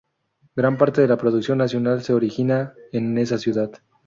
Gran parte de la producción nacional se origina en esa ciudad.